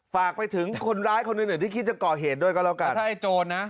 ฝากไปถึงคนร้ายคนหนึ่งหนึ่งที่คิดจะเกาะเหตุด้วยก็ละกันแต่ถ้าไอ้โจรนะ